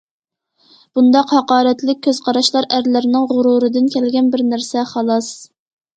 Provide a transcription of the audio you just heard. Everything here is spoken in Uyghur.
بۇنداق ھاقارەتلىك كۆز قاراشلار ئەرلەرنىڭ غۇرۇرىدىن كەلگەن بىر نەرسە خالاس.